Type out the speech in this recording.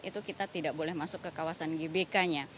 itu kita tidak boleh masuk ke kawasan gbk nya